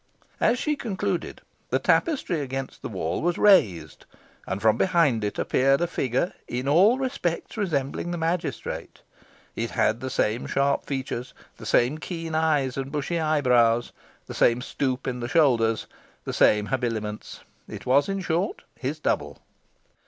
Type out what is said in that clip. As she concluded, the tapestry against the wall was raised, and from behind it appeared a figure in all respects resembling the magistrate: it had the same sharp features, the same keen eyes and bushy eyebrows, the same stoop in the shoulders, the same habiliments. It was, in short, his double.